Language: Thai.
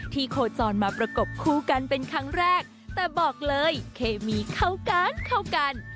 โคจรมาประกบคู่กันเป็นครั้งแรกแต่บอกเลยเคมีเข้ากันเข้ากัน